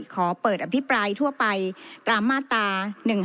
ขอเปิดอภิปรายทั่วไปตามมาตรา๑๕